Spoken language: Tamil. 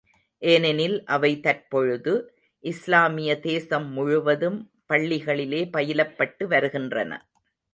ஏனெனில் அவை தற்பொழுது, இஸ்லாமிய தேசம்முழுவதும், பள்ளிகளிலே பயிலப்பட்டு வருகின்றன.